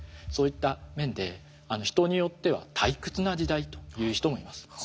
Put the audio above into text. そういった面で人によっては退屈な時代と言う人もいます。